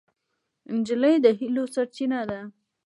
نجلۍ د هیلو سرچینه ده.